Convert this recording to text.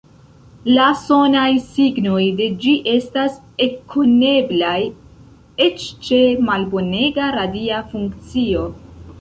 La sonaj signoj de ĝi estas ekkoneblaj eĉ ĉe malbonega radia funkcio.